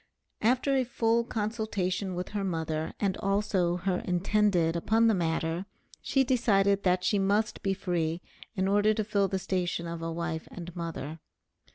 After a full consultation with her mother and also her intended upon the matter, she decided that she must be free in order to fill the station of a wife and mother.